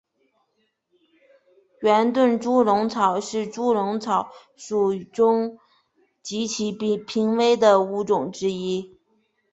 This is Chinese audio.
圆盾猪笼草是猪笼草属中极其濒危的物种之一。